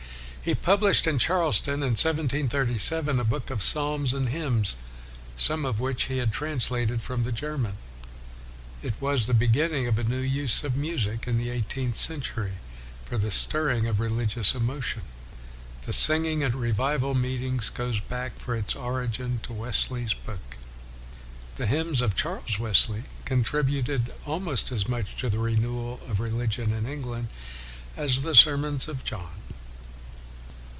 He published, in Charleston, in 1737, a book of Psalms and Hymns, some of which he had trans lated from the German. It was the be ginning of a new use of music in the eigh teenth century for the stirring of religious emotion. The singing at revival meetings goes back for its origin to Wesley's book. The hymns of Charles Wesley contributed almost as much to the renewal of religion in England as the sermons of John.